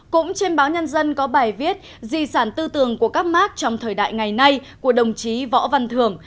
cũng trên báo nhân dân có bài viết dì sản tư tưởng của các mạc trong thời đại ngày nay của đồng chí võ văn thường